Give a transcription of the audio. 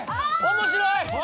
面白い！